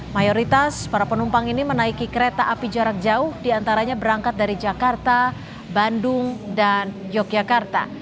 mayoritas para penumpang ini menaiki kereta api jarak jauh diantaranya berangkat dari jakarta bandung dan yogyakarta